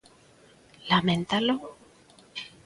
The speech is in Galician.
Lamentalo?